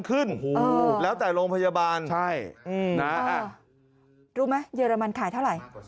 ขึ้นแล้วแต่โรงพยาบาลใช่นะรู้ไหมเรมันขายเท่าไหร่